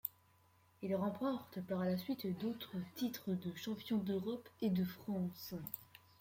Il remporte par la suite d'autres titres de champion d'Europe et de France.